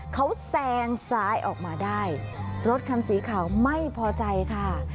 เขาแซงซ้ายออกมาได้รถคันสีขาวไม่พอใจค่ะ